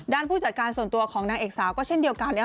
ผู้จัดการส่วนตัวของนางเอกสาวก็เช่นเดียวกันนะครับ